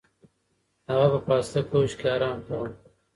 هغه په پاسته کوچ کې ارام کاوه.